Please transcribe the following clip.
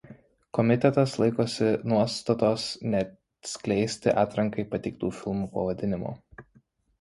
Komitetas laikosi nuostatos neatskleisti atrankai pateiktų filmų pavadinimų.